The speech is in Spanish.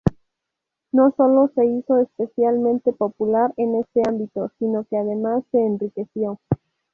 No sólo se hizo especialmente popular en este ámbito, sino que además se enriqueció.